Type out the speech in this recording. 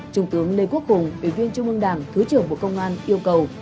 trung tướng lê quốc hùng ủy viên chung mương đảng thứ trưởng bộ công an yêu cầu